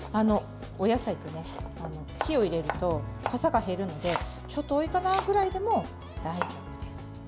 お野菜は火を入れるとかさが減るのでちょっと多いかな？くらいでも大丈夫です。